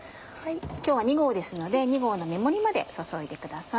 今日は２合ですので２合の目盛りまで注いでください。